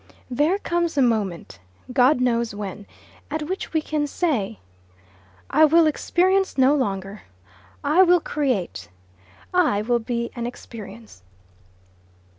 There comes a moment God knows when at which we can say, "I will experience no longer. I will create. I will be an experience."